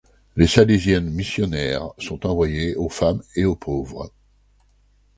Les Salésiennes missionnaires sont envoyées aux femmes et aux pauvres.